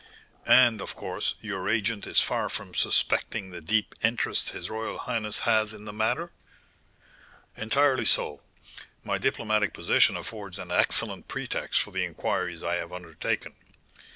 "And, of course, your agent is far from suspecting the deep interest his royal highness has in the matter?" "Entirely so. My diplomatic position affords an excellent pretext for the inquiries I have undertaken. M.